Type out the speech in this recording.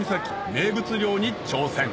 名物漁に挑戦！